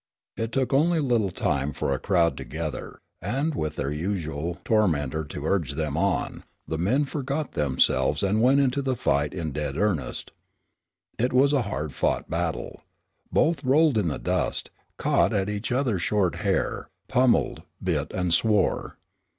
It took only a little time for a crowd to gather, and, with their usual tormentor to urge them on, the men forgot themselves and went into the fight in dead earnest. It was a hard fought battle. Both rolled in the dust, caught at each other's short hair, pummeled, bit and swore.